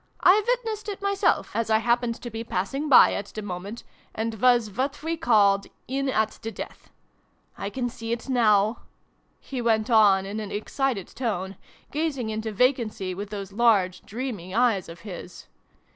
1 witnessed it myself, as I hap pened to be passing by at the moment, and was what we called ' in at the death.' I can see it now !" he went on in an excited tone, gazing into vacancy with those large dreamy eyes of his.